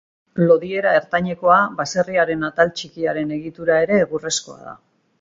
Lodiera ertainekoa, baserriaren atal txikiaren egitura ere egurrezkoa da.